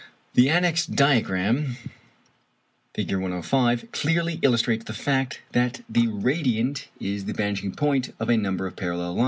The annexed diagram (Fig. 105) clearly illustrates the fact that the "radiant" is the vanishing point of a number of parallel lines.